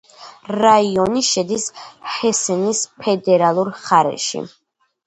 რაიონი შედის ჰესენის ფედერალურ მხარეში.